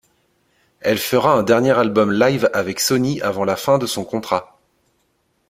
Elle fera un dernier album live avec Sony avant la fin de son contrat.